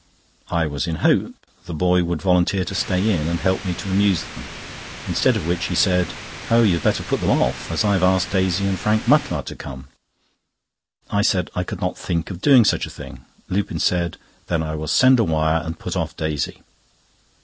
I was in hope the boy would volunteer to stay in, and help to amuse them. Instead of which, he said: "Oh, you had better put them off, as I have asked Daisy and Frank Mutlar to come." I said I could not think of doing such a thing. Lupin said: "Then I will send a wire, and put off Daisy."